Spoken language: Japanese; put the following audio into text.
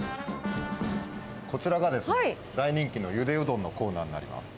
こちらがですね、大人気のゆでうどんのコーナーになります。